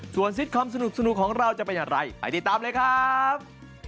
ส่วนซิตคอมสนุกของเราจะเป็นอย่างไรไปติดตามเลยครับ